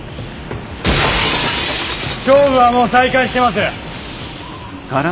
勝負はもう再開してます。